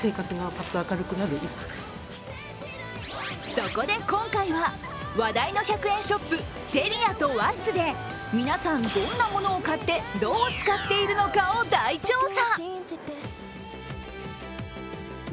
そこで今回は、話題の１００円ショップ、ＳｅｒｉａとＷａｔｔｓで皆さん、どんなものを買ってどう使っているのかを大調査。